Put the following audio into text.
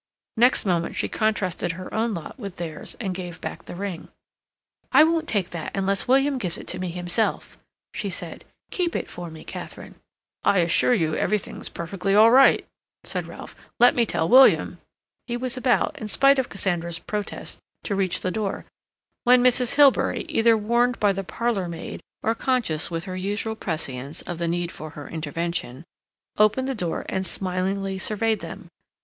Next moment she contrasted her own lot with theirs and gave back the ring. "I won't take that unless William gives it me himself," she said. "Keep it for me, Katharine." "I assure you everything's perfectly all right," said Ralph. "Let me tell William—" He was about, in spite of Cassandra's protest, to reach the door, when Mrs. Hilbery, either warned by the parlor maid or conscious with her usual prescience of the need for her intervention, opened the door and smilingly surveyed them.